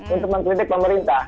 untuk mengkritik pemerintah